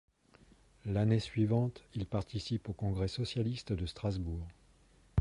L'année suivante, il participe au congrès socialiste de Strasbourg.